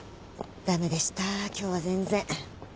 駄目でした今日は全然。